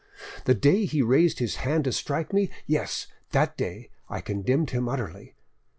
The day he raised his hand to strike me—yes, that day I condemned him utterly....